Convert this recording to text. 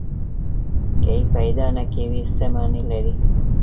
که یې پیدا نه کړي، څه معنی لري؟